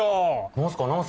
何すか？